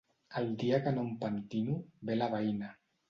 El dia que no em pentino, ve la veïna.